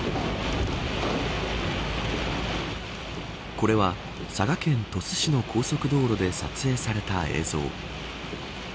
これは佐賀県鳥栖市の高速道路で撮影された映像。